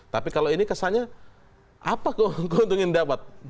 tapi kalau ini kesannya apa keuntungan yang dapat